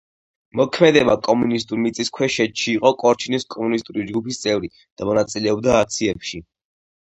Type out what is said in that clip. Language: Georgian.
მოქმედებდა კომუნისტურ მიწისქვეშეთში, იყო კორჩინის კომუნისტური ჯგუფის წევრი და მონაწილეობდა აქციებში.